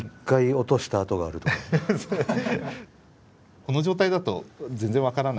この状態だと全然分からない話なんですが。